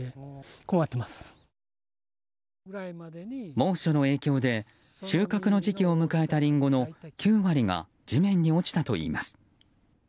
猛暑の影響で収穫の時期を迎えたリンゴの９割が地面に落ちたといいます。